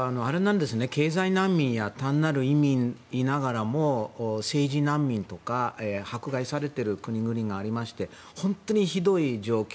経済難民や単なる移民もいながらも政治難民とか迫害されている国々がありまして本当にひどい状況。